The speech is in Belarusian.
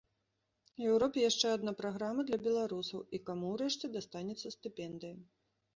Еўропе яшчэ адна праграма для беларусаў, і каму ўрэшце дастанецца стыпендыя.